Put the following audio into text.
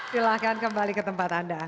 silahkan kembali ke tempat anda